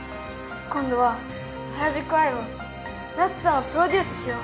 今度は『原宿アイ』をナツさんをプロデュースしよう。